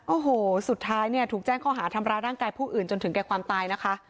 โอ้โหสุดท้ายเนี่ยถูกแจ้งข้อหาทำร้ายร่างกายผู้อื่นจนถึงแก่ความตายนะคะ